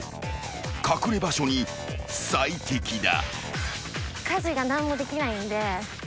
［隠れ場所に最適だ］